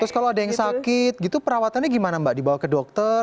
terus kalau ada yang sakit gitu perawatannya gimana mbak dibawa ke dokter